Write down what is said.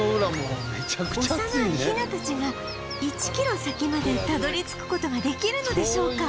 幼いヒナたちが１キロ先までたどり着く事ができるのでしょうか？